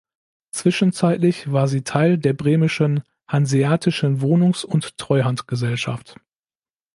Zwischenzeitlich war sie Teil der bremischen "Hanseatischen Wohnungs- und Treuhandgesellschaft.